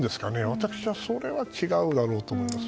私はそれは違うだろうと思います。